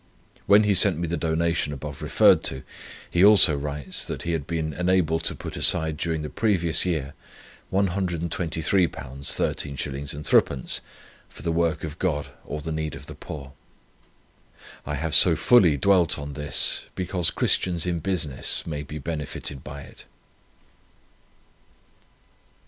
When he sent me the donation above referred to, he also writes, that he had been enabled to put aside during the previous year £123 13s. 3d. for the work of God or the need of the poor. I have so fully dwelt on this, because Christians in business may be benefited by it."